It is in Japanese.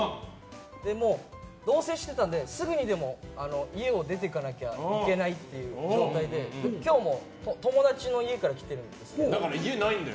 もう、同棲してたのですぐにでも家を出ていかなきゃいけないっていう状態で今日も友達の家から来ているんですけど。